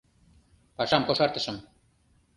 Пашам кошартышым.